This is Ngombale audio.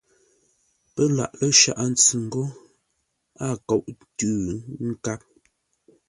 Pə́ lâʼ lə́ Shaghʼə-ntsʉ ńgó a kóʼ tʉ́ ńkáp.